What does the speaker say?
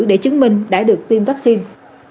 để chứng minh đã được tiêm vaccine